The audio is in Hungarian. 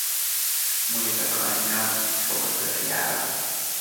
Morita Kanja fogadta fiává.